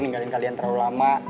ninggalin kalian terlalu lama